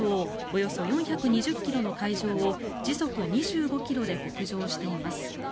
およそ４２０ｋｍの海上を時速２５ｋｍで北上しています。